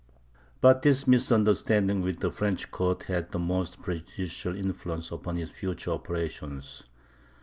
But this misunderstanding with the French court had the most prejudicial influence upon his future operations.